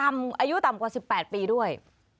อายุต่ำกว่า๑๘ปีด้วย